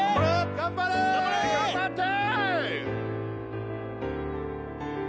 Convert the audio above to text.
頑張れ！頑張って！